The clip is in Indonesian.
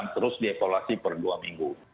terus dievaluasi per dua minggu